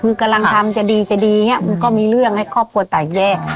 คือกำลังทำจะดีเนี่ยก็มีเรื่องให้ครอบครัวแต่แยก